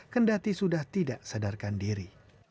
kendati sudah tidak sadarkan diri